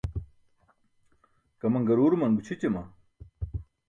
Kaman garuuruman gućʰićama?